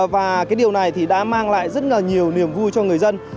và điều này đã mang lại rất nhiều niềm vui cho người dân